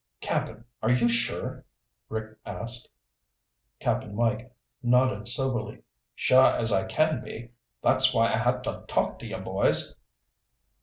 "Cap'n, are you sure?" Rick asked. Cap'n Mike nodded soberly. "Sure as I can be. That's why I had to talk to you boys."